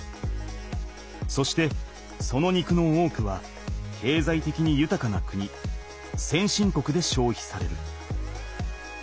そしてその肉の多くはけいざいてきにゆたかな国先進国でしょうひされる。